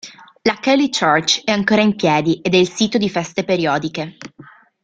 La Kelly Church è ancora in piedi ed è il sito di feste periodiche.